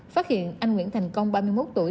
phát hiện anh nguyễn thành công ba mươi một tuổi